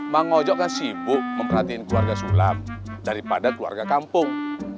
mang mojo kan sibuk memperhatiin keluarga sulam daripada keluarga kampung